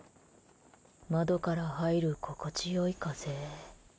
窓から入る心地よい風。